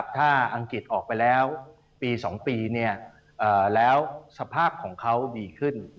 ถ้าอังกฤษออกไปแล้วปี๒ปีแล้วสภาพของเขาดีขึ้น